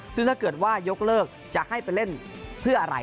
ซึ่งถ้าเกิดว่ายกเลิกจะให้ไปเล่นเพื่ออะไร